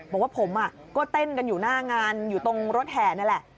บอกว่าผมก็เต้นกันอยู่หน้างานอยู่ตรงรถแห่นี่แหละ